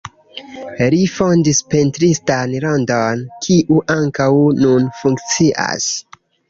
Li fondis pentristan rondon, kiu ankaŭ nun funkcias.